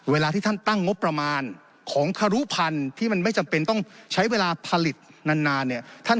เวลาที่ตั้งงบประมาณของขรุพันธ์ที่ไม่จำเป็นต้องใช้เวลาผลิตนาน